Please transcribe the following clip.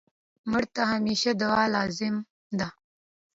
مړه ته د همېشه دعا لازم ده